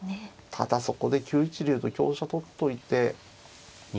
ただそこで９一竜と香車取っといて。